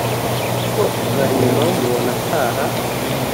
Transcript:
kuko ubwa nyuma bamubona ataha